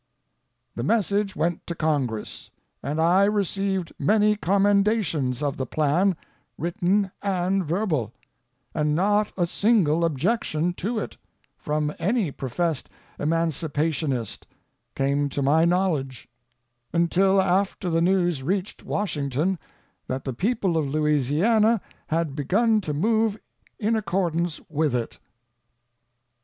The message went to Congress, and I received many commendations of the plan, written and verbal; and not a single objection to it, from any professed emancipationist, came to my knowledge, until after the news reached Washington that the people of Louisiana had begun to move in accordance with it.